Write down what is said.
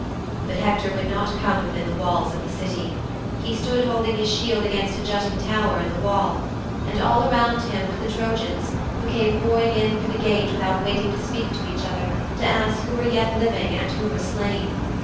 "' 'But Hector would not come within the walls of the City. He stood holding his shield against a jutting tower in the wall. And all around him were the Trojans, who came pouring in through the gate without waiting to speak to each other to ask who were yet living and who were slain.